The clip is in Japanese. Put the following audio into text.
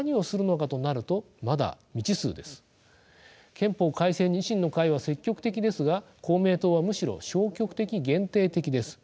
憲法改正に維新の会は積極的ですが公明党はむしろ消極的・限定的です。